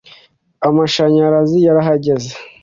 amashanyarazi yarahageze